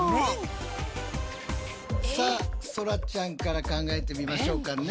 さあそらちゃんから考えてみましょうかね。